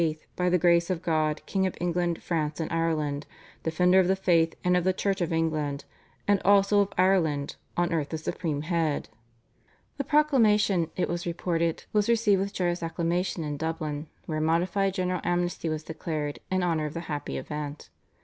by the Grace of God King of England, France, and Ireland, Defender of the Faith, and of the Church of England, and also of Ireland, on earth the Supreme Head." The proclamation, it was reported, was received with joyous acclamation in Dublin, where a modified general amnesty was declared in honour of the happy event.